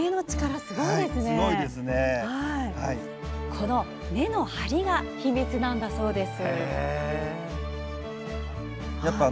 この根の張りが秘密なんだそうです。